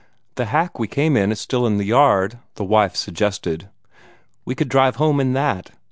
"The hack we came in is still there in the yard," the wife suggested. "We could drive home in that.